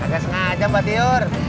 agak sengaja mbak tyur